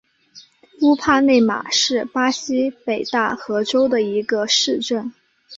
乌帕内马是巴西北大河州的一个市镇。